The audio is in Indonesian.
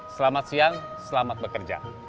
selamat siang selamat bekerja